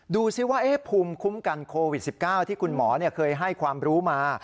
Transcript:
ดูสิว่าภูมิคุ้มกันโควิด๑๙ที่คุณหมอเคยให้ความรู้มา